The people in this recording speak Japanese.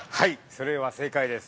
◆それでは正解です。